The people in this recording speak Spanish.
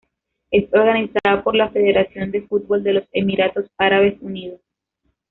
Es organizada por la Federación de Fútbol de los Emiratos Árabes Unidos.